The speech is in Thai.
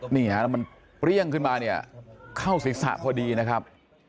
นี่มันเปรี้ยงขึ้นมาเข้าศิษย์ศาสตร์พอดีนะครับ